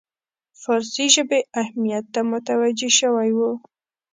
فارسي ژبې اهمیت ته متوجه شوی وو.